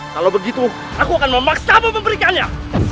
kalau begitu aku akan memaksamu memberikannya